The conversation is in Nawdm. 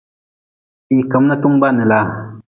Hii ka mi na tungu baa ni laa.